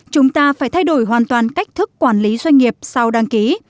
chúng ta phải thay đổi hoàn toàn cách thức quản lý doanh nghiệp sau đăng ký